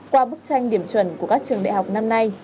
qua bức tranh điểm chuẩn của các trường đại học năm nay